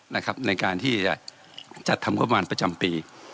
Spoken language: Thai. นะครับในการที่จะจัดทำกบมาประจำปี